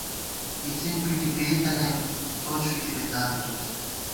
اِڅِن پِٹی پېئ تَنَئیم ، سوچ فِکِرے دامِتُوس